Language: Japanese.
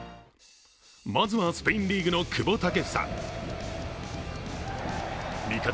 まずは、スペインリーグの久保建英見方